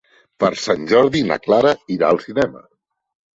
Per Sant Jordi na Clara irà al cinema.